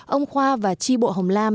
ông khoa và chi bộ hồng lam